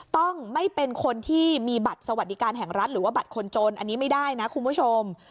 ต้องไม่เป็นคนที่มีบัตรสวัสดิการแห่งรัฐหรือว่าบัตรคนจนอันนี้ไม่ได้นะคุณผู้ชม